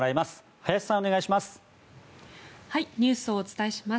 林さん、お願いします。